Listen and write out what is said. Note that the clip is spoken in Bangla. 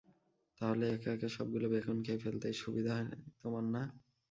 তাহলে একা একা সবগুলো বেকন খেয়ে ফেলতে সুবিধা হয় তোমার না?